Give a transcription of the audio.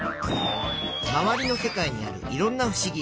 まわりの世界にあるいろんなふしぎ。